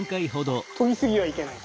とぎすぎはいけない。